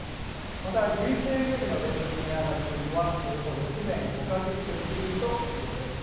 また、１１営業日の連続値上がりというのはおよそ６年５か月ぶりということです。